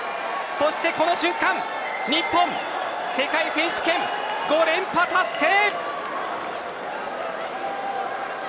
そしてこの瞬間、日本世界選手権５連覇達成。